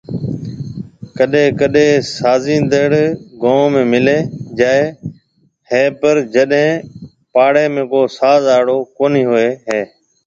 ڪڏيَ ڪڏيَ سازيندڙ گون ۾ مليَ جائيَ هي پر جڏيَ پاݪيَ ۾ ڪو ساز آڙو ڪونِهي هوئيَ هيَ